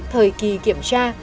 thời kỳ kiểm tra